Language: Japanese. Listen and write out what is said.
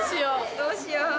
どうしよう？